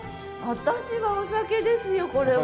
私はお酒ですよこれは。